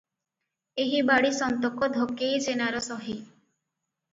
ଏହି ବାଡ଼ି ସନ୍ତକ ଧକେଇ ଜେନାର ସହି ।